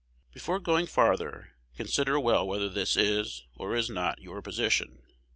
Before going farther, consider well whether this is, or is not, your position.